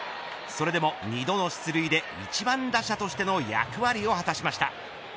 それでも２度の出塁で１番打者としての役割を果たしました。